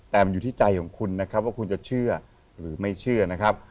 แต่มันอยู่ที่ใจของคุณนะครับว่าคุณจะเชื่อหรือไม่เชื่อนะครับ